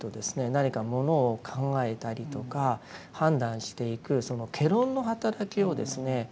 何かものを考えたりとか判断していくその戯論の働きをですね